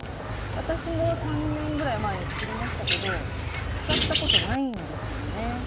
私も３年ぐらい前に作りましたけど使ったことないんですよね。